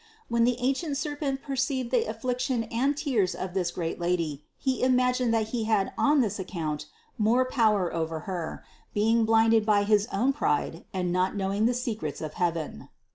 When the ancient serpent perceived the affliction and tears of the great Lady, he imagined that he had on this account more power over Her, being blinded by his own pride and not knowing the secrets of heaven.